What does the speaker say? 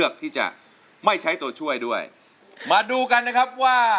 แผ่นที่หนึ่งนะครับ